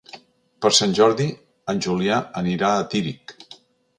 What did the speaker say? Per Sant Jordi en Julià anirà a Tírig.